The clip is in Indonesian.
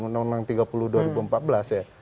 undang undang tiga puluh dua ribu empat belas ya